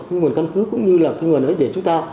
cái nguồn căn cứ cũng như là cái nguồn ấy để chúng ta